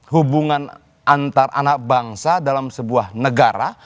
hubungan antar anak bangsa dalam sebuah negara